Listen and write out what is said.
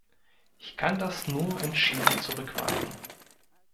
Ich kann das nur entschieden zurückweisen.